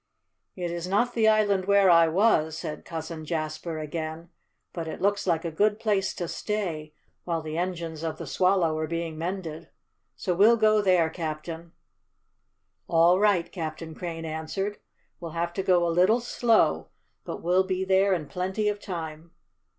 "It is not the island where I was," said Cousin Jasper again. "But it looks like a good place to stay while the engines of the Swallow are being mended. So we'll go there, Captain!" "All right," Captain Crane answered. "We'll have to go a little slow, but we'll be there in plenty of time."